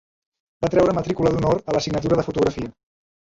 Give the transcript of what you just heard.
Va treure matrícula d'honor a l'assignatura de Fotografia.